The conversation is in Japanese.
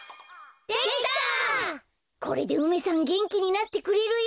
これで梅さんげんきになってくれるよ！